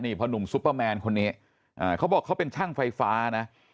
พอหนุ่มซุปเปอร์แมนคนนี้เขาบอกเขาเป็นช่างไฟฟ้านะ